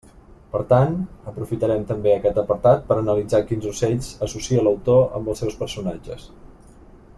Per tant, aprofitarem també aquest apartat per a analitzar quins ocells associa l'autor amb els seus personatges.